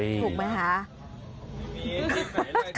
ถูกมั้ยคะ